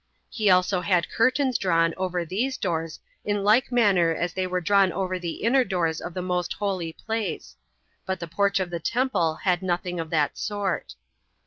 He also had curtains drawn over these doors in like manner as they were drawn over the inner doors of the most holy place; but the porch of the temple had nothing of that sort.